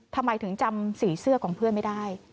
ทำไมถึงจำสีเสื้อของเพื่อนไม่ได้